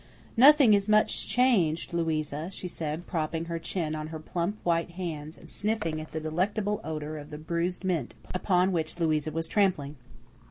"Nothing is much changed, Louisa," she said, propping her chin on her plump white hands, and sniffing at the delectable odour of the bruised mint upon which Louisa was trampling.